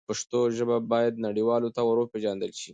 پښتو ژبه باید نړیوالو ته ور وپیژندل سي.